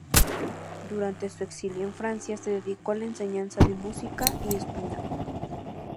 Durante su exilio en Francia, se dedicó a la enseñanza de música y español.